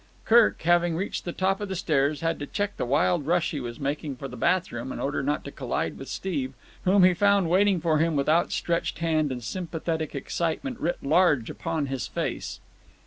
Kirk, having reached the top of the stairs, had to check the wild rush he was making for the bathroom in order not to collide with Steve, whom he found waiting for him with outstretched hand and sympathetic excitement writ large upon his face.